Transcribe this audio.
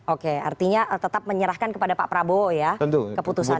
oke artinya tetap menyerahkan kepada pak prabowo ya keputusannya